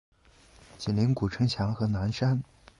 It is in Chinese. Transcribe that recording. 紧邻古城墙和南山。